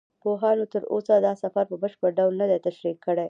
پوهانو تر اوسه دا سفر په بشپړ ډول نه دی تشریح کړی.